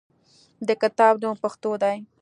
د کتاب نوم "پښتو" دی.